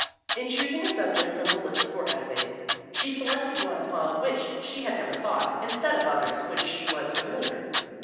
In choosing a subject from the list for essays, she selected one upon which she had never thought instead of others with which she was familiar.